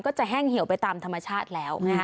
จะแห้งเหี่ยวไปตามธรรมชาติแล้ว